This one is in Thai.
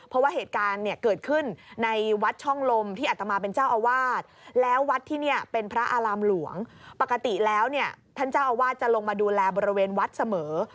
เพราะว่าเหตุการณ์เนี่ยเกิดขึ้นในวัดช่องลมที่อัตมาเป็นเจ้าอาวาสแล้ววัดที่เนี่ยเป็นพระอารามหลวงปกติแล้วเนี่ยท่านเจ้าอาวาสจะลงมาดูแลบริเวณวัดเสมอ